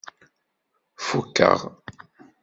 Fukkeɣ.